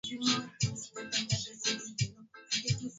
Kuvimba katika maeneo ya katikati ya taya ni dalili ya ugonjwa wa majimoyo